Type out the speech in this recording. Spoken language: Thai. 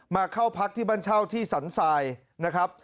มาเข้าพักที่บ้านเช่าที่สรรทรายนะครับ